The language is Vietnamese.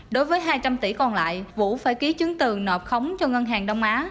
đối với hai trăm linh tỷ còn lại vũ phải ký chứng từ nộp khống cho ngân hàng đông á